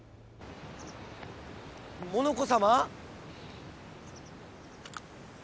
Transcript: モノコさま？